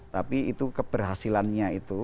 tapi itu keberhasilannya itu